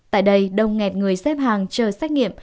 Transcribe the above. tại đây đông nghẹt người xếp hàng chờ xét nghiệm